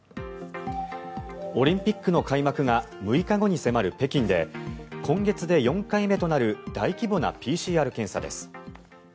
オリンピックの開幕が６日後に迫る北京で今月で４回目となる大規模なＰＣＲ検査です。